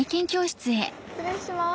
失礼します